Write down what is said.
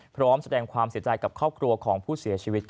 พร้อมแสดงความเสียใจกับครอบครัวของผู้เสียชีวิต